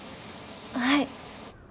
はい。